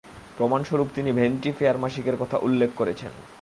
প্রমাণস্বরূপ তিনি Vanity Fair মাসিকের কথা উল্লেখ করেছেন।